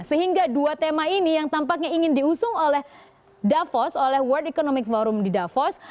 sehingga dua tema ini yang tampaknya ingin diusung oleh davos oleh world economic forum di davos